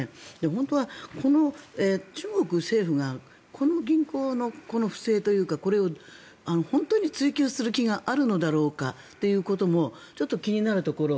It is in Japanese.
本当は中国政府がこの銀行の不正というかこれを本当に、追及する気があるのだろうかということもちょっと気になるところ。